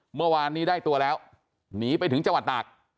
เมื่อวานนี้ได้ตัวแล้วหนีไปถึงจังหวัดตาก